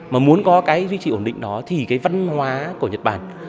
mà muốn có cái duy trì ổn định đó thì cái văn hóa của nhật bản